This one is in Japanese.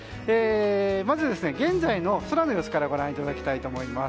まず、現在の空の様子からご覧いただきたいと思います。